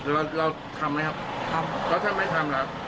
แล้วทำไหมครับทำแล้วถ้าไม่ทำแล้ว